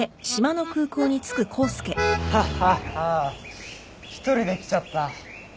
ハッハッハー一人で来ちゃった。